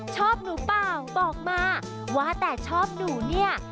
ชอบหนูเปล่าบอกมาว่าแต่ชอบหนูเนี่ย